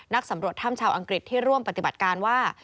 สำรวจถ้ำชาวอังกฤษที่ร่วมปฏิบัติการว่า